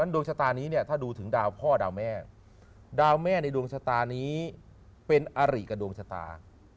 ดวงชะตานี้เนี่ยถ้าดูถึงดาวพ่อดาวแม่ดาวแม่ในดวงชะตานี้เป็นอาริกับดวงชะตา